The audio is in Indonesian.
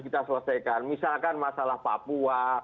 kita selesaikan misalkan masalah papua